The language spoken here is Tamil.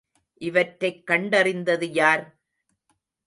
இவற்றைக் கண்டறிந்தது யார்?